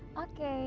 oke yaudah deh